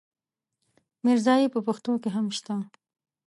ميرزايي په پښتو کې هم شته.